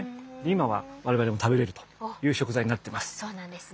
今は我々も食べれるという食材になってます。